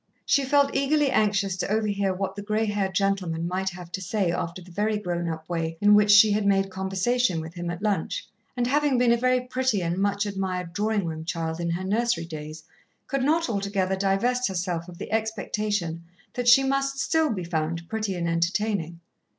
She felt eagerly anxious to overhear what the grey haired gentleman might have to say after the very grown up way in which she had made conversation with him at lunch, and having been a very pretty and much admired drawing room child in her nursery days, could not altogether divest herself of the expectation that she must still be found pretty and entertaining.